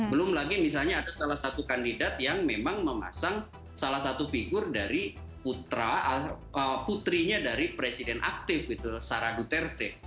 belum lagi misalnya ada salah satu kandidat yang memang memasang salah satu figur dari putrinya dari presiden aktif gitu sarah duterte